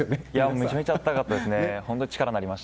めちゃくちゃ温かかったです。